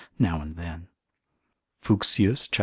now and then. Fuchsius cap.